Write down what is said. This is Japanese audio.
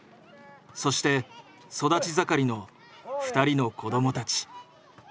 そして育ち盛りの２人の子どもたち。